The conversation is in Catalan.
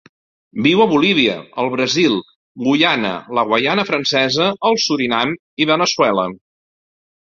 Viu a Bolívia, el Brasil, Guyana, la Guaiana Francesa, el Surinam i Veneçuela.